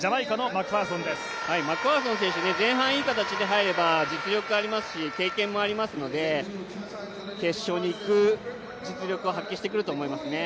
マクファーソン前半いい形で入れば実力ありますし経験もありますので決勝に行く実力を発揮してくると思います。